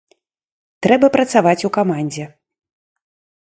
Трэба працаваць у камандзе.